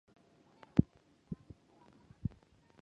The movie gained positive reviews.